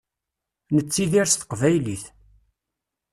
Nettidir s teqbaylit.